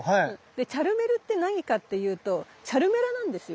でチャルメルって何かっていうとチャルメラなんですよ。